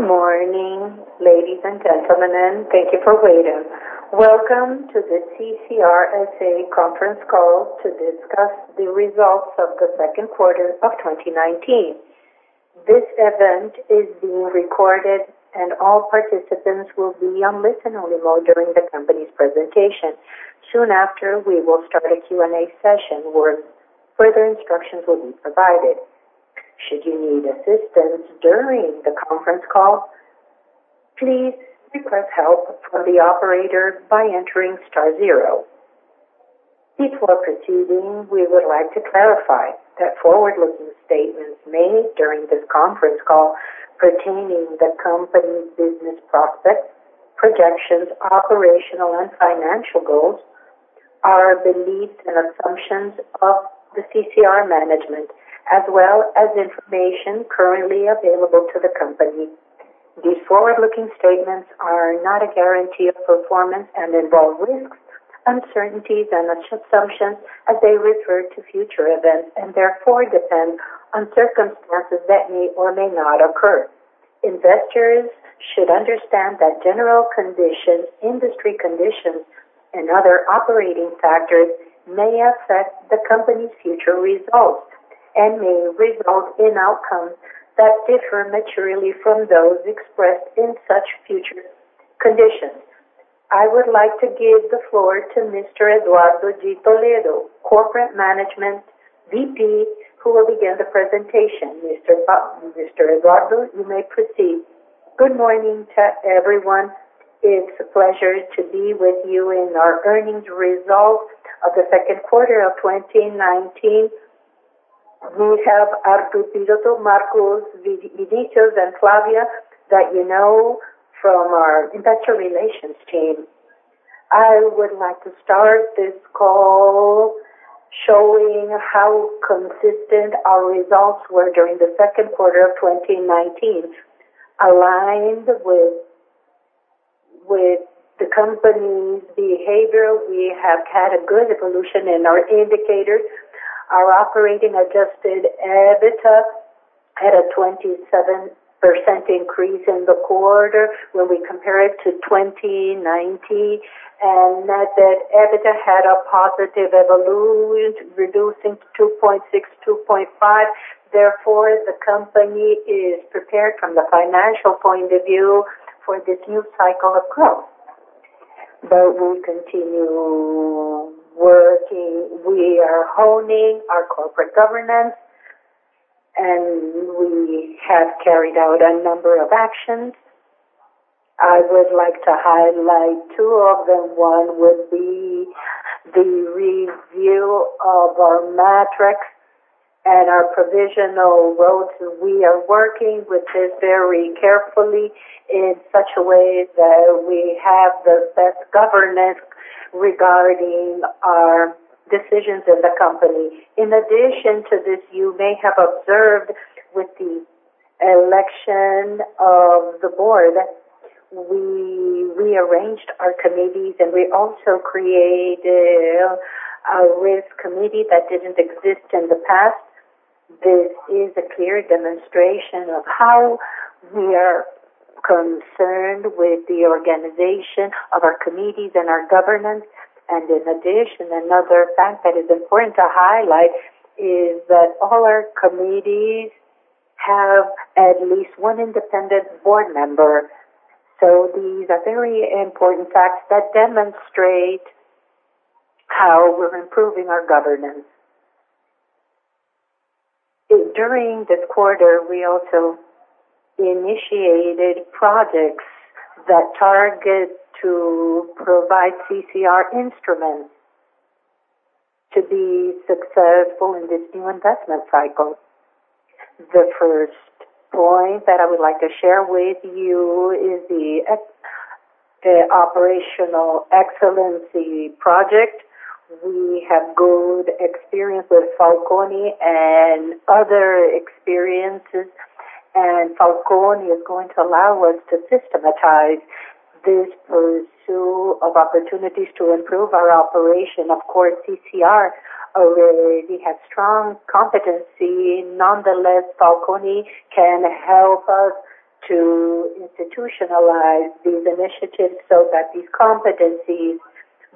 Good morning, ladies and gentlemen, and thank you for waiting. Welcome to the CCR S.A. conference call to discuss the results of the second quarter of 2019. This event is being recorded, and all participants will be on listen-only mode during the company's presentation. Soon after, we will start a Q&A session where further instructions will be provided. Should you need assistance during the conference call, please request help from the operator by entering star zero. Before proceeding, we would like to clarify that forward-looking statements made during this conference call pertaining the company's business prospects, projections, operational and financial goals are beliefs and assumptions of the CCR management as well as information currently available to the company. These forward-looking statements are not a guarantee of performance and involve risks, uncertainties, and assumptions as they refer to future events and therefore depend on circumstances that may or may not occur. Investors should understand that general conditions, industry conditions, and other operating factors may affect the company's future results and may result in outcomes that differ materially from those expressed in such future conditions. I would like to give the floor to Mr. Eduardo de Toledo, Corporate Management VP, who will begin the presentation. Mr. Eduardo, you may proceed. Good morning to everyone. It's a pleasure to be with you in our earnings results of the second quarter of 2019. We have Arthur Piloto, Marcos Vinícius, and Flávia that you know from our investor relations team. I would like to start this call showing how consistent our results were during the second quarter of 2019. Aligned with the company's behavior, we have had a good evolution in our indicators. Our operating adjusted EBITDA had a 27% increase in the quarter when we compare it to 2019. Net debt EBITDA had a positive evolution, reducing to 2.6, 2.5. Therefore, the company is prepared from the financial point of view for this new cycle of growth. We'll continue working. We are honing our corporate governance. We have carried out a number of actions. I would like to highlight two of them. One would be the review of our metrics and our provisional rules. We are working with this very carefully in such a way that we have the best governance regarding our decisions in the company. In addition to this, you may have observed with the election of the board, we rearranged our committees. We also created a Risk Committee that didn't exist in the past. This is a clear demonstration of how we are concerned with the organization of our committees and our governance. In addition, another fact that is important to highlight is that all our committees have at least one independent board member. These are very important facts that demonstrate how we're improving our governance. During this quarter, we also initiated projects that target to provide CCR instruments to be successful in this new investment cycle. The first point that I would like to share with you is the operational excellency project. We have good experience with Falconi and other experiences, and Falconi is going to allow us to systematize this pursue of opportunities to improve our operation. Of course, CCR already have strong competency. Nonetheless, Falconi can help us to institutionalize these initiatives so that these competencies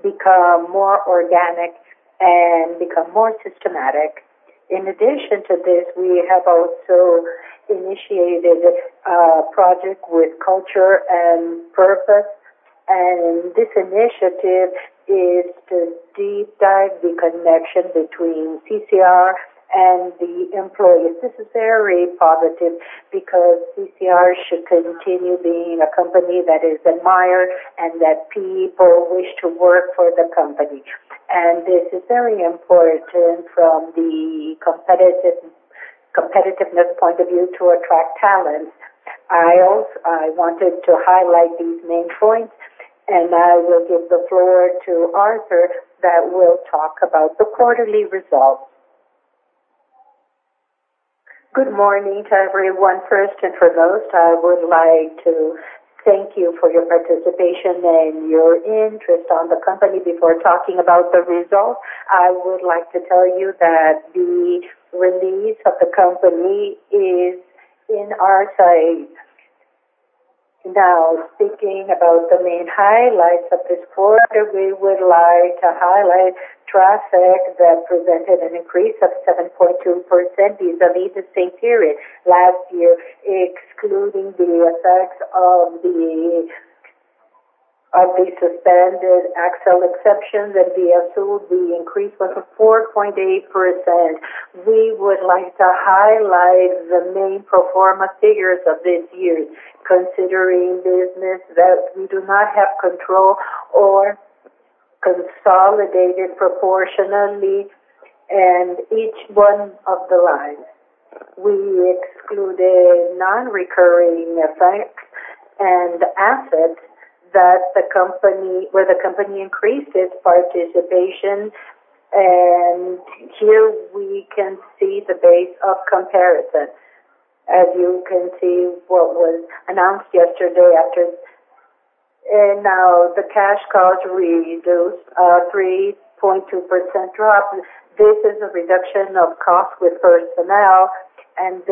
become more organic and become more systematic. In addition to this, we have also initiated a project with culture and purpose, and this initiative is to deep dive the connection between CCR and the employees. This is very positive because CCR should continue being a company that is admired and that people wish to work for the company. This is very important from the competitiveness point of view to attract talent. I wanted to highlight these main points, and I will give the floor to Arthur, that will talk about the quarterly results. Good morning to everyone. First and foremost, I would like to thank you for your participation and your interest in the company. Before talking about the results, I would like to tell you that the release of the company is in our site. Now, speaking about the main highlights of this quarter, we would like to highlight traffic that presented an increase of 7.2% vis-à-vis the same period last year, excluding the effects of the suspended axle exceptions at ViaSul, the increase was of 4.8%. We would like to highlight the main pro forma figures of this year, considering business that we do not have control or consolidated proportionally and each one of the lines. We excluded non-recurring effects and assets where the company increased its participation. Here we can see the base of comparison. As you can see, what was announced yesterday after. Now the cash cost reduced, a 3.2% drop. This is a reduction of cost with personnel and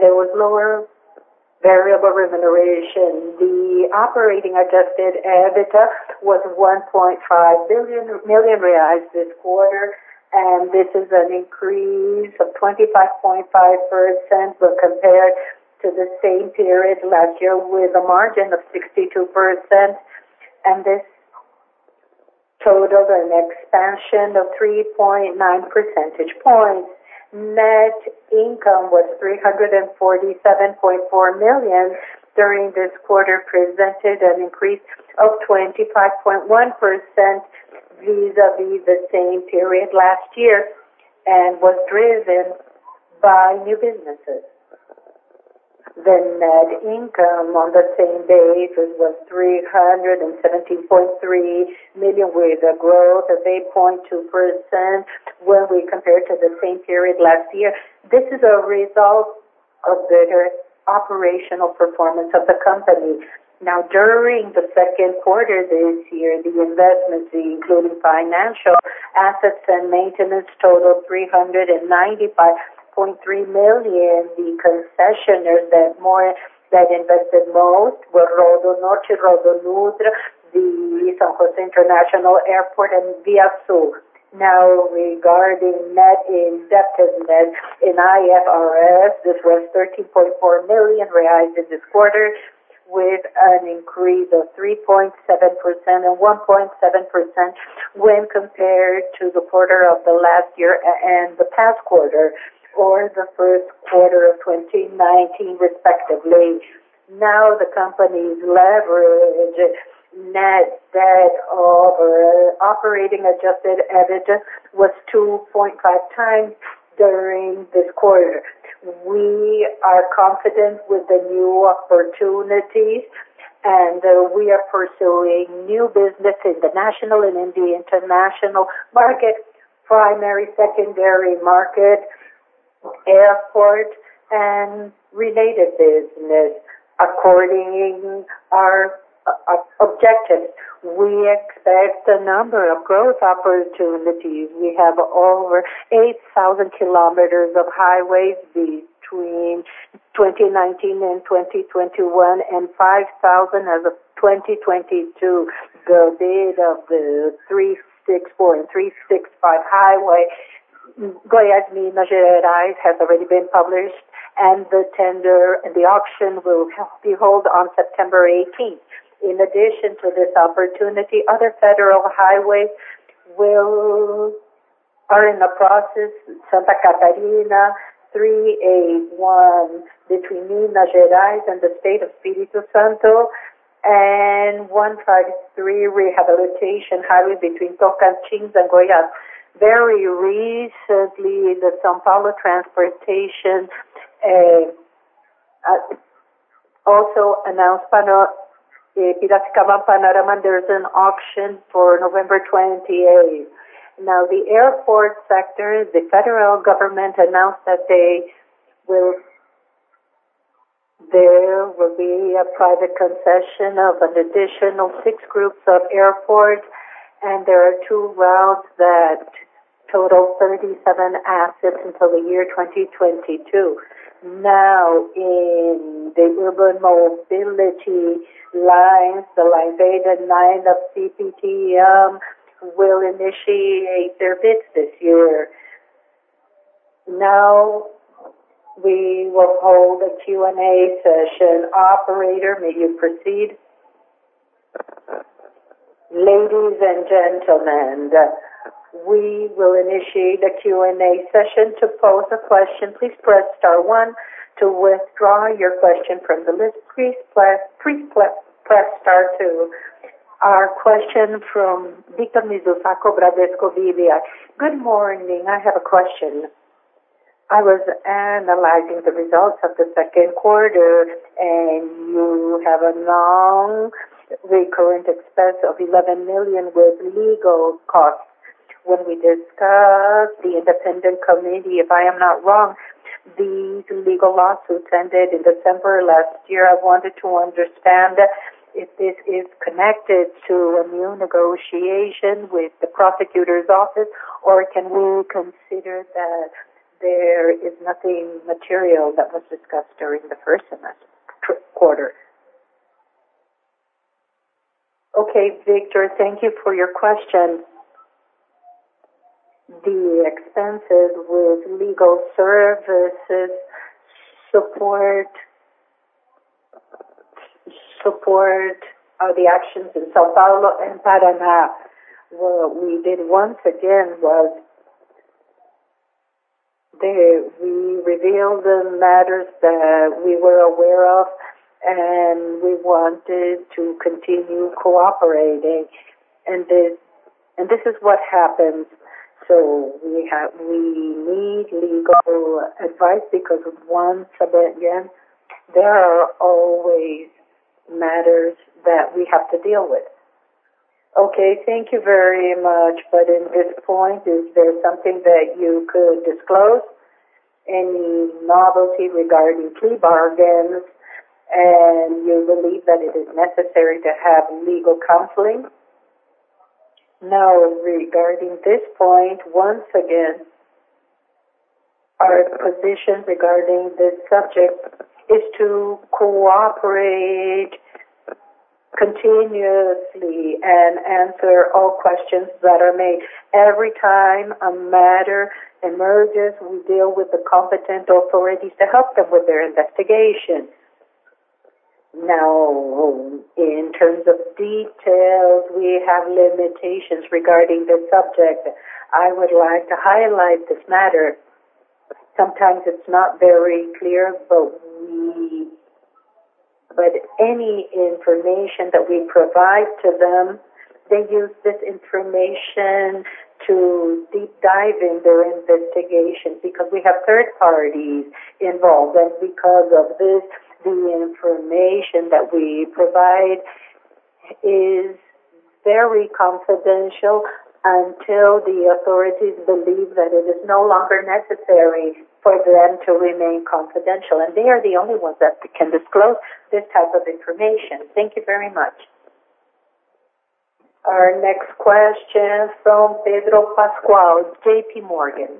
there was lower variable remuneration. The operating adjusted EBITDA was 1.5 million this quarter. This is an increase of 25.5% when compared to the same period last year with a margin of 62%. This totaled an expansion of 3.9 percentage points. Net income was 347.4 million during this quarter, presented an increase of 25.1% vis-à-vis the same period last year, was driven by new businesses. The net income on the same base was 317.3 million, with a growth of 8.2% when we compare to the same period last year. This is a result of better operational performance of the company. During the second quarter this year, the investments, including financial assets and maintenance, totaled BRL 395.3 million. The concessionaires that invested most were RodoNorte, the São José International Airport, ViaSul. Regarding net indebtedness in IFRS, this was 13.4 million reais in this quarter, with an increase of 3.7% and 1.7% when compared to the quarter of the last year and the past quarter, or the first quarter of 2019, respectively. The company's leverage net debt over operating adjusted EBITDA was 2.5 times during this quarter. We are confident with the new opportunities and we are pursuing new business in the national and in the international markets, primary, secondary market, airport, and related business according our objectives. We expect a number of growth opportunities. We have over 8,000 kilometers of highways between 2019 and 2021, and 5,000 as of 2022. The bid of the 364 and 365 highway, Goiás-Minas Gerais, has already been published, and the tender, the auction, will be held on September 18th. In addition to this opportunity, other federal highways are in the process, BR-381 between Minas Gerais and the state of Espírito Santo, and BR-153 rehabilitation highway between Tocantins and Goiás. Very recently, the São Paulo Transportation also announced Piracicaba-Panorama. There is an auction for November 28. The airport sector, the federal government announced that there will be a private concession of an additional six groups of airports, and there are two routes that total 37 assets until the year 2022. In the urban mobility lines, the Line 9 of CPTM will initiate their bids this year. We will hold a Q&A session. Operator, may you proceed? Ladies and gentlemen, we will initiate the Q&A session. To pose a question, please press star one. To withdraw your question from the list, please press star two. Our question from Victor Mizusaki, Bradesco BBI. Good morning. I have a question. I was analyzing the results of the second quarter, you have a long recurrent expense of 11 million with legal costs. When we discussed the independent committee, if I am not wrong, these legal lawsuits ended in December last year. I wanted to understand if this is connected to a new negotiation with the prosecutor's office, can we consider that there is nothing material that was discussed during the first quarter? Okay, Victor. Thank you for your question. The expenses with legal services support the actions in São Paulo and Paraná. What we did once again was, we revealed the matters that we were aware of, we wanted to continue cooperating. This is what happens. We need legal advice because once again, there are always matters that we have to deal with. Okay. Thank you very much. In this point, is there something that you could disclose? Any novelty regarding plea bargains, and you believe that it is necessary to have legal counseling? No. Regarding this point, once again, our position regarding this subject is to cooperate continuously and answer all questions that are made. Every time a matter emerges, we deal with the competent authorities to help them with their investigation. In terms of details, we have limitations regarding this subject. I would like to highlight this matter. Sometimes it is not very clear, but any information that we provide to them, they use this information to deep dive in their investigation, because we have third parties involved. Because of this, the information that we provide is very confidential until the authorities believe that it is no longer necessary for them to remain confidential. They are the only ones that can disclose this type of information. Thank you very much. Our next question from Pedro Pascual, J.P. Morgan.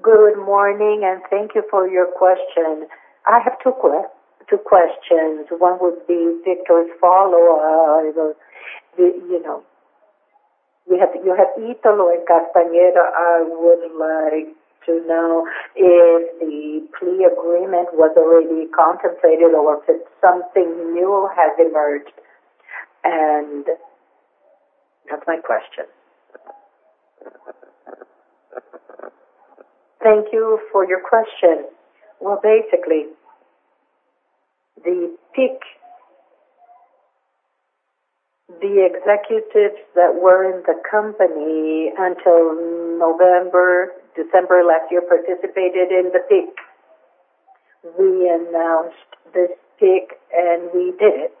Good morning, and thank you for your question. I have two questions. One would be Victor's follow-up. You have Italo and Castanheira. I would like to know if the plea bargain was already contemplated or if something new has emerged. That's my question. Thank you for your question. Well, basically, the executives that were in the company until November, December last year participated in the PIC. We announced this PIC, and we did it.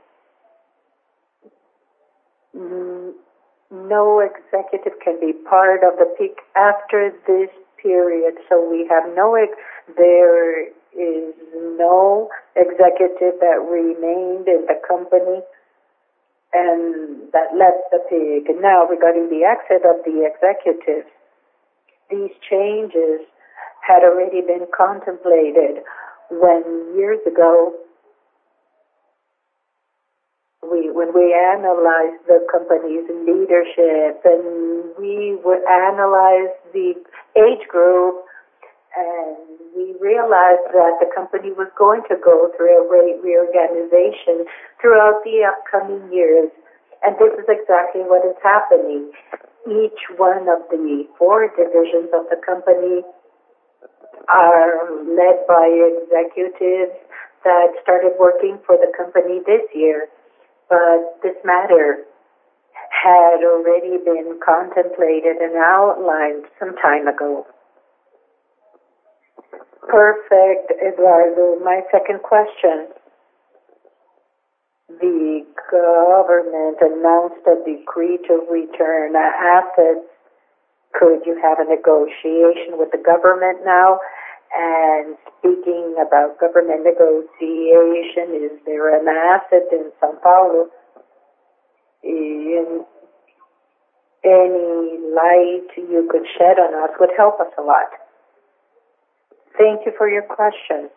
No executive can be part of the PIC after this period. There is no executive that remained in the company and that left the PIC. Regarding the exit of the executives, these changes had already been contemplated when years ago, when we analyzed the company's leadership and we analyzed the age group, and we realized that the company was going to go through a great reorganization throughout the upcoming years. This is exactly what is happening. Each one of the four divisions of the company are led by executives that started working for the company this year. This matter had already been contemplated and outlined some time ago. Perfect, Eduardo. My second question. The government announced a decree to return assets. Could you have a negotiation with the government now? Speaking about government negotiation, is there an asset in São Paulo? Any light you could shed on us would help us a lot. Thank you for your question.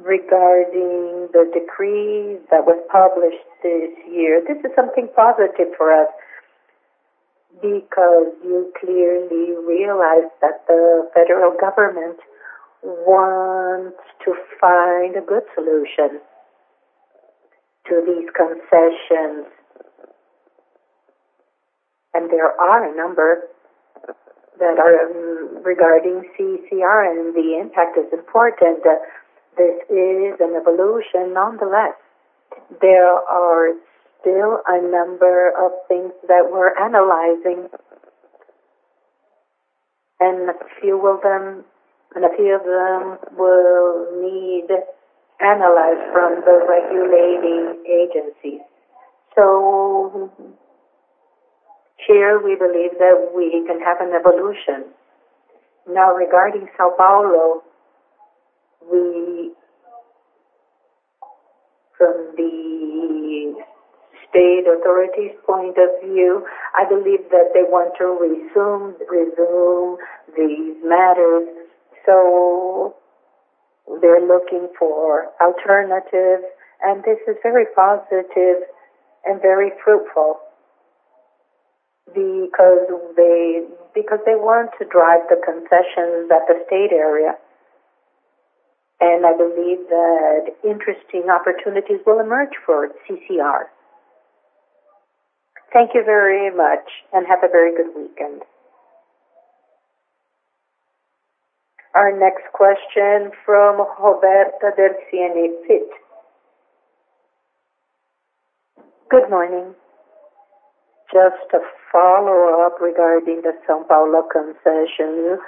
Regarding the decree that was published this year, this is something positive for us because you clearly realize that the federal government wants to find a good solution to these concessions. There are a number that are regarding CCR, and the impact is important. This is an evolution. Nonetheless, there are still a number of things that we're analyzing, and a few of them will need analysis from the regulating agencies. Here, we believe that we can have an evolution. Regarding São Paulo, from the state authorities' point of view, I believe that they want to resolve these matters. They're looking for alternatives, and this is very positive and very fruitful because they want to drive the concessions at the state area. I believe that interesting opportunities will emerge for CCR. Thank you very much, and have a very good weekend. Our next question from Roberta, from CNi Fit. Good morning. Just a follow-up regarding the São Paulo concessions.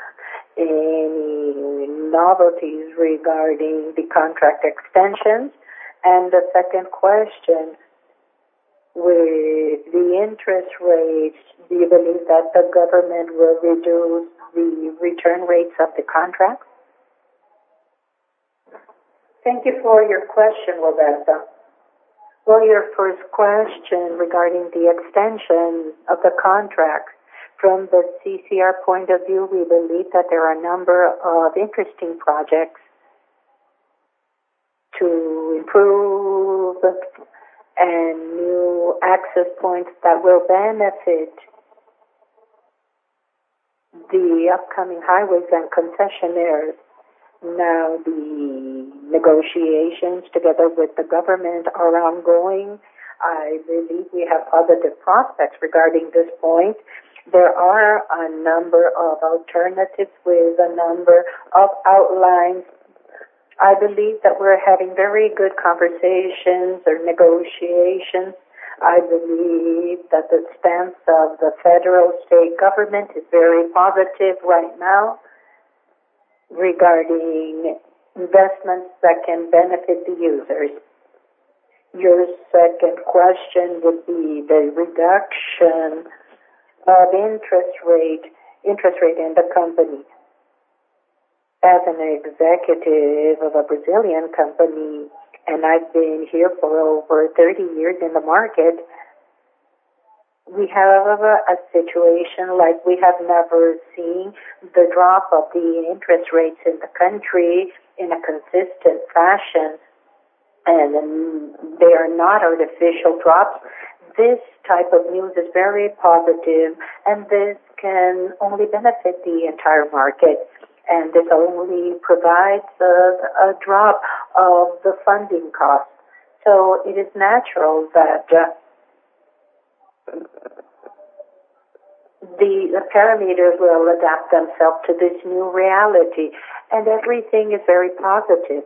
Any novelties regarding the contract extensions? The second question, with the interest rates, do you believe that the government will reduce the return rates of the contracts? Thank you for your question, Roberta. Well, your first question regarding the extension of the contracts. From the CCR point of view, we believe that there are a number of interesting projects to improve and new access points that will benefit the upcoming highways and concessionaires. Now the negotiations together with the government are ongoing. I believe we have positive prospects regarding this point. There are a number of alternatives with a number of outlines. I believe that we're having very good conversations or negotiations. I believe that the stance of the federal state government is very positive right now regarding investments that can benefit the users. Your second question would be the reduction of interest rate in the company. As an executive of a Brazilian company, and I've been here for over 30 years in the market, we have a situation like we have never seen. The drop of the interest rates in the country in a consistent fashion, and they are not artificial drops. This type of news is very positive, and this can only benefit the entire market, and this only provides a drop of the funding cost. It is natural that the parameters will adapt themselves to this new reality. Everything is very positive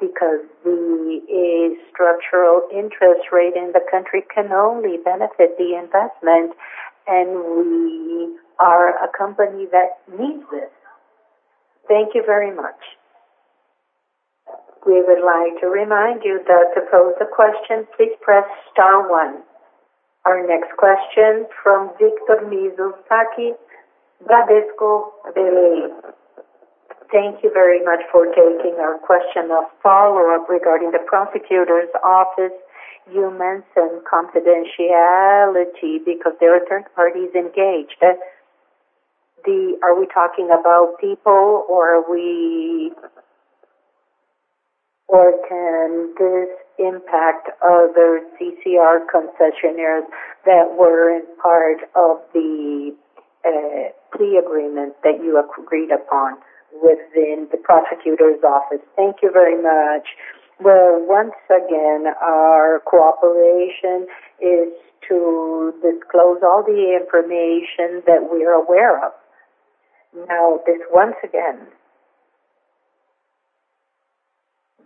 because the structural interest rate in the country can only benefit the investment, and we are a company that needs this. Thank you very much. We would like to remind you that to pose a question, please press star one. Our next question from Victor Mizusaki, Bradesco BBI. Thank you very much for taking our question. A follow-up regarding the prosecutor's office. You mentioned confidentiality because there are third parties engaged. Are we talking about people, or can this impact other CCR concessionaires that were part of the plea agreement that you agreed upon within the prosecutor's office? Thank you very much. Well, once again, our cooperation is to disclose all the information that we are aware of. Now, this once again.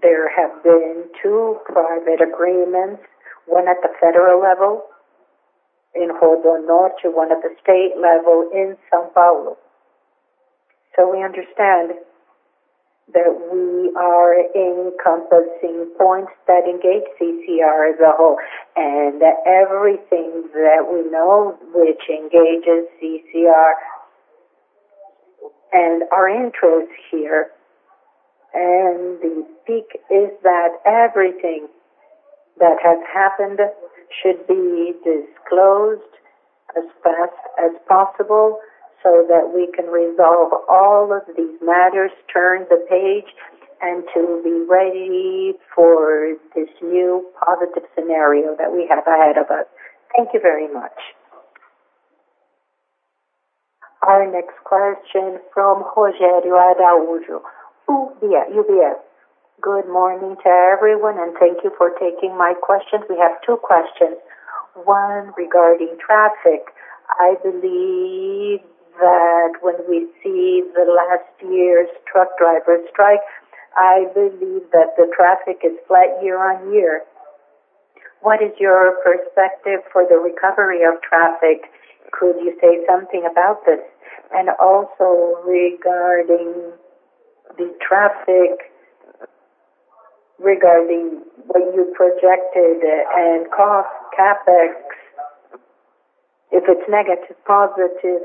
There have been two private agreements, one at the federal level in RodoNorte, one at the state level in São Paulo. We understand that we are encompassing points that engage CCR as a whole, and everything that we know which engages CCR and our interests here. The peak is that everything that has happened should be disclosed as fast as possible so that we can resolve all of these matters, turn the page, and to be ready for this new positive scenario that we have ahead of us. Thank you very much. Our next question from Rogério Araújo, UBS. Good morning to everyone, thank you for taking my questions. We have two questions. One regarding traffic. I believe that when we see the last year's truck driver strike, I believe that the traffic is flat year-on-year. What is your perspective for the recovery of traffic? Could you say something about this? Also regarding the traffic, regarding what you projected and cost, CapEx, if it's negative, positive.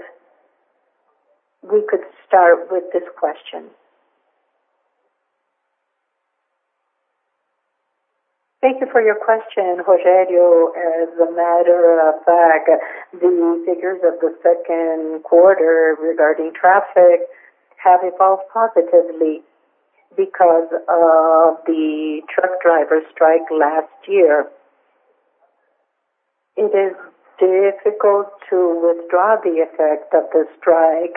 We could start with this question. Thank you for your question, Rogério. As a matter of fact, the figures of the second quarter regarding traffic have evolved positively because of the truck driver strike last year. It is difficult to withdraw the effect of the strike.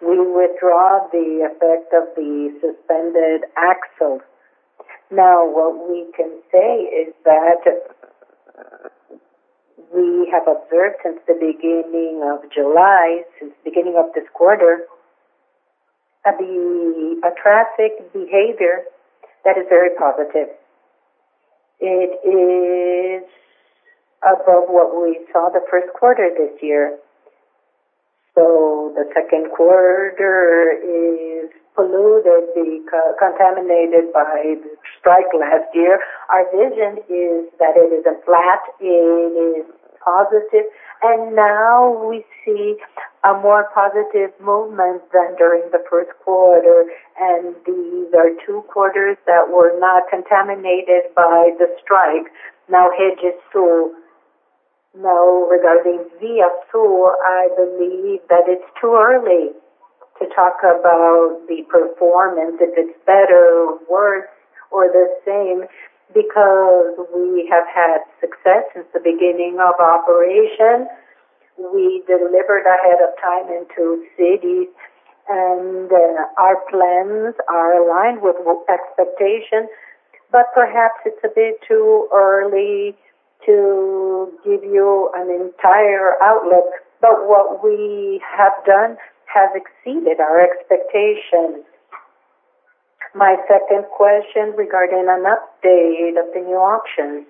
We withdraw the effect of the suspended axles. What we can say is that we have observed since the beginning of July, since the beginning of this quarter, a traffic behavior that is very positive. It is above what we saw the first quarter this year. The second quarter is polluted, contaminated by the strike last year. Our vision is that it is a flat, it is positive. Now we see a more positive movement than during the first quarter. These are two quarters that were not contaminated by the strike. Regarding Via Sul, I believe that it's too early to talk about the performance, if it's better or worse or the same, because we have had success since the beginning of operation. We delivered ahead of time in two cities, our plans are aligned with expectations. Perhaps it's a bit too early to give you an entire outlook. What we have done has exceeded our expectations. My second question regarding an update of the new auctions.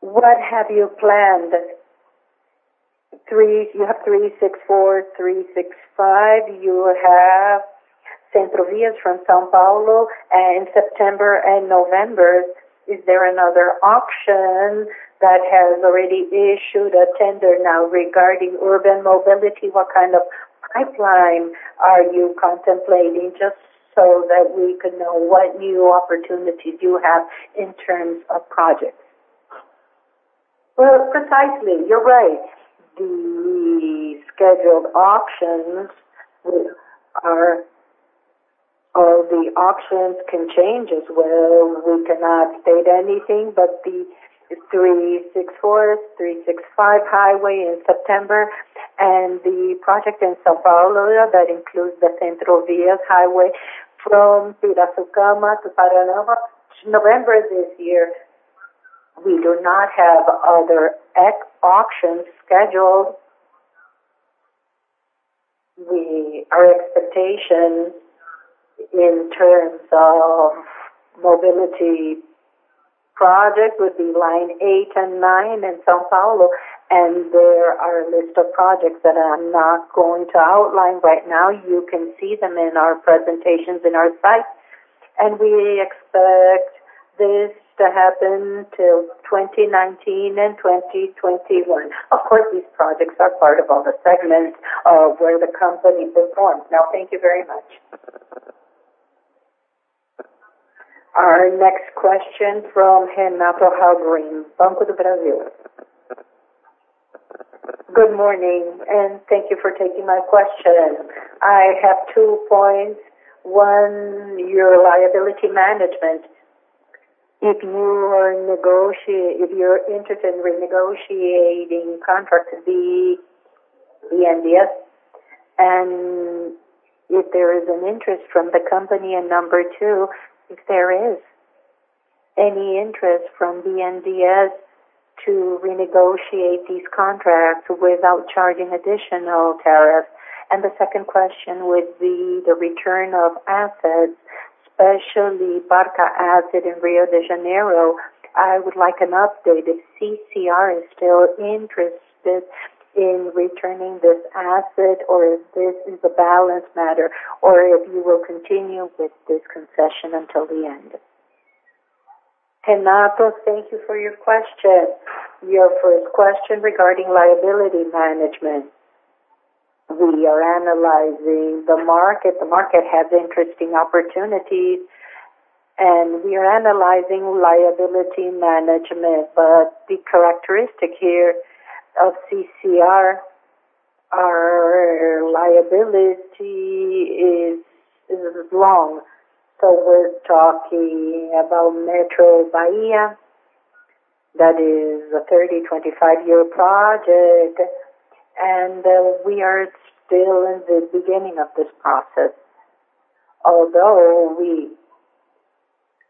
What have you planned? You have BR-364, BR-365. You have Centrovias from São Paulo. September and November, is there another auction that has already issued a tender now regarding urban mobility? What kind of pipeline are you contemplating? Just so that we can know what new opportunities you have in terms of projects. Well, precisely. You're right. The scheduled auctions, the auctions can change as well. We cannot state anything, but the BR-364, BR-365 highway in September and the project in São Paulo that includes the Centrovias highway from Pirassununga to Panorama, November this year. We do not have other auctions scheduled. Our expectation in terms of mobility project would be Lines 8 and 9 in São Paulo, and there are a list of projects that I'm not going to outline right now. You can see them in our presentations in our site. We expect this to happen till 2019 and 2021. Of course, these projects are part of all the segments of where the company performs. Thank you very much. Our next question from Renato Hallgren, Banco do Brasil. Good morning, thank you for taking my question. I have two points. One, your liability management. If you're interested in renegotiating contracts, the BNDES, and if there is an interest from the company. Number 2, if there is any interest from BNDES to renegotiate these contracts without charging additional tariffs. The second question would be the return of assets, especially Barcas asset in Rio de Janeiro. I would like an update if CCR is still interested in returning this asset or if this is a balance matter or if you will continue with this concession until the end. Renato, thank you for your question. Your first question regarding liability management. We are analyzing the market. The market has interesting opportunities, and we are analyzing liability management. The characteristic here of CCR, our liability is long. We're talking about Metrô Bahia. That is a 30, 25-year project. We are still in the beginning of this process. Although we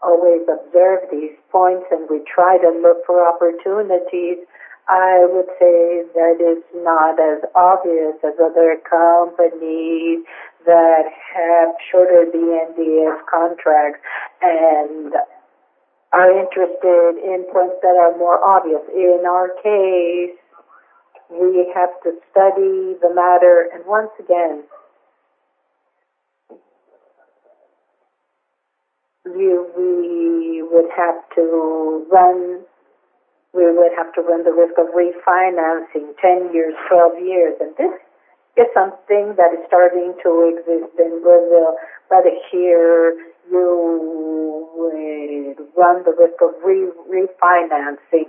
always observe these points and we try to look for opportunities, I would say that it's not as obvious as other companies that have shorter BNDES contracts and are interested in points that are more obvious. In our case, we have to study the matter. Once again, we would have to run the risk of refinancing 10 years, 12 years. This is something that is starting to exist in Brazil. Here, you run the risk of refinancing.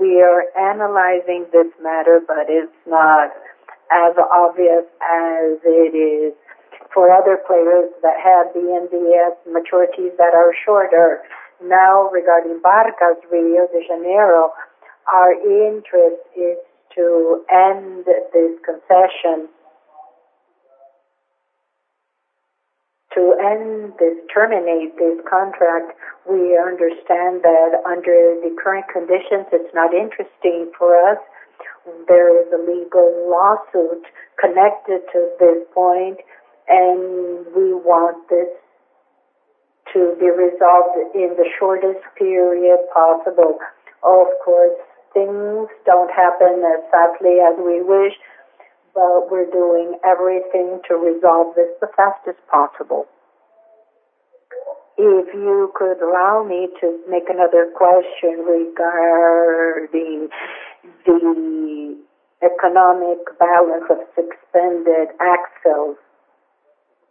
We are analyzing this matter, but it's not as obvious as it is for other players that have the BNDES maturities that are shorter. Regarding Barcas Rio de Janeiro, our interest is to end this concession. To terminate this contract. We understand that under the current conditions, it's not interesting for us. There is a legal lawsuit connected to this point. We want this to be resolved in the shortest period possible. Of course, things don't happen as fast as we wish, but we're doing everything to resolve this the fastest possible. If you could allow me to make another question regarding the economic balance of suspended axles.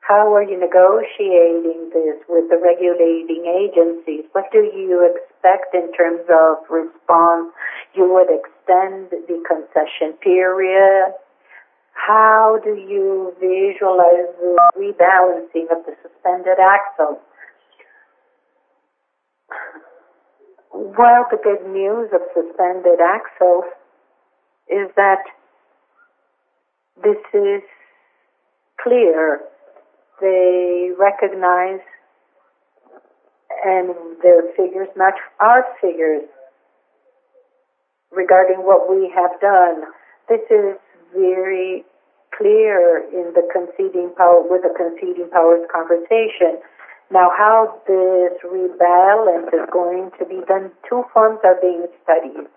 How are you negotiating this with the regulating agencies? What do you expect in terms of response? You would extend the concession period. How do you visualize the rebalancing of the suspended axles? Well, the good news of suspended axles is that this is clear. They recognize and their figures match our figures regarding what we have done. This is very clear with the conceding powers conversation. How this rebalance is going to be done, two forms are being studied.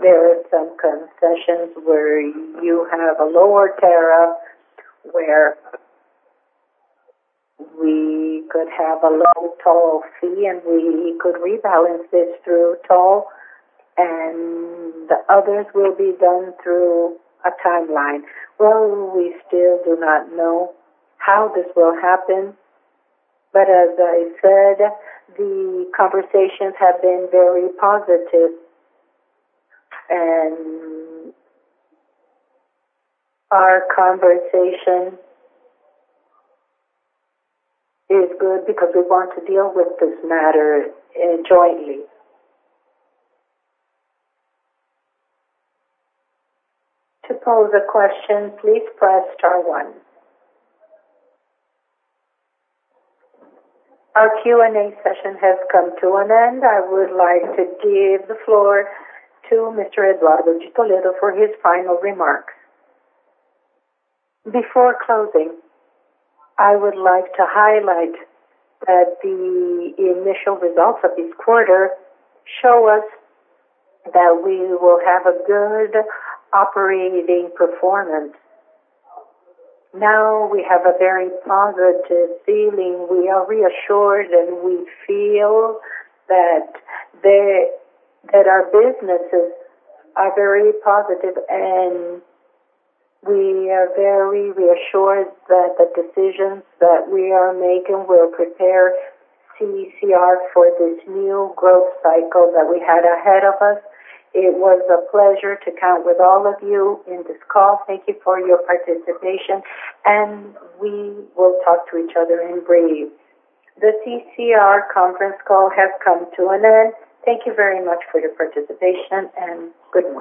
There are some concessions where you have a lower tariff, where we could have a low toll fee, and we could rebalance this through toll, and the others will be done through a timeline. Well, we still do not know how this will happen, but as I said, the conversations have been very positive, and our conversation is good because we want to deal with this matter jointly. To pose a question, please press star one. Our Q&A session has come to an end. I would like to give the floor to Mr. Eduardo de Toledo for his final remarks. Before closing, I would like to highlight that the initial results of this quarter show us that we will have a good operating performance. Now we have a very positive feeling. We are reassured, and we feel that our businesses are very positive, and we are very reassured that the decisions that we are making will prepare CCR for this new growth cycle that we had ahead of us. It was a pleasure to count with all of you in this call. Thank you for your participation, and we will talk to each other in brief. The CCR conference call has come to an end. Thank you very much for your participation, and good night.